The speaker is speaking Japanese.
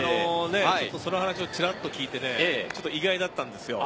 その話をちらっと聞いて意外だったんです。